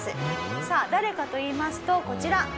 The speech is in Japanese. さあ誰かといいますとこちら。